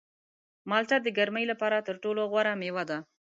مالټه د ګرمۍ لپاره تر ټولو غوره مېوه ده.